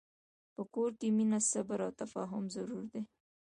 په کور کې مینه، صبر، او تفاهم ضرور دي.